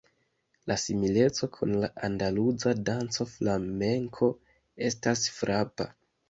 La simileco kun la andaluza danco Flamenko estas frapa.